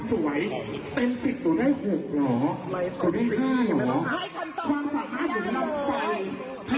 หนูได้ห้ายเหรอความสามารถหนูนำไป